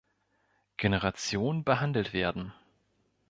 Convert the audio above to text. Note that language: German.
Generation behandelt werden.